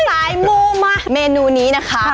สายมูมาเมนูนี้นะคะ